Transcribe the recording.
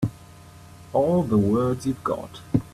All the words you've got.